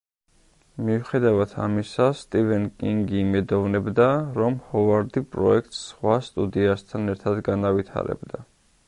მიუხედავად ამისა, სტივენ კინგი იმედოვნებდა, რომ ჰოვარდი პროექტს სხვა სტუდიასთან ერთად განავითარებდა.